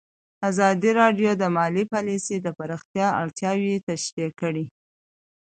ازادي راډیو د مالي پالیسي د پراختیا اړتیاوې تشریح کړي.